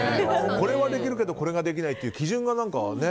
これはできるけどこれはできないという基準が。